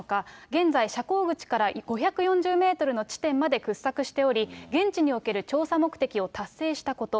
現在、斜坑口から５４０メートルの地点まで掘削しており、現地における調査目的を達成したこと。